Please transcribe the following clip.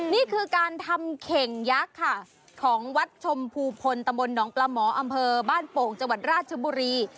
นี่คือการทำเข่งยักษ์ค่ะของวัดชมภูพลตำบลหนองปลาหมออำเภอบ้านโป่งจังหวัดราชบุรี